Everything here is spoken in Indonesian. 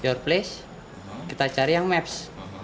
setelah itu kita cari yang maps